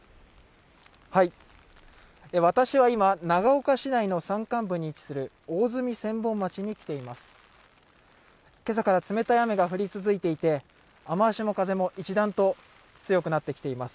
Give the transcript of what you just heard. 私は今、長岡市内の山間部に位置する大積千本町に来ています。